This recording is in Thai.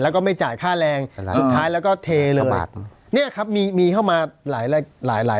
แล้วก็ไม่จ่ายค่าแรงสุดท้ายแล้วก็เทระเบิดเนี่ยครับมีมีเข้ามาหลายหลาย